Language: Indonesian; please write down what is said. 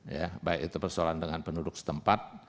ya baik itu persoalan dengan penduduk setempat